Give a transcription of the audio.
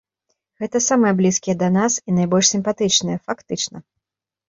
Гэта самыя блізкія да нас і найбольш сімпатычныя, фактычна.